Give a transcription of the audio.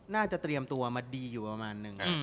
เตรียมตัวมาดีอยู่ประมาณนึง